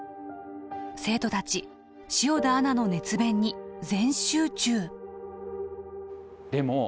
生徒たち塩田アナの熱弁に全集中！